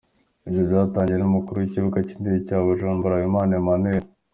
Ibyo byatangajwe n’umukuru w’ikibuga cy’indege cya Bujumbura, Habimana Emmanuel.